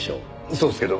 そうですけど。